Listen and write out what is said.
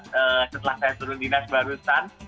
setelah saya turun dinas barusan